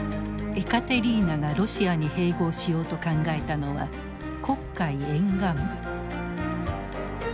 エカテリーナがロシアに併合しようと考えたのは黒海沿岸部。